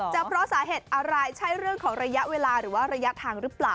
เพราะสาเหตุอะไรใช่เรื่องของระยะเวลาหรือว่าระยะทางหรือเปล่า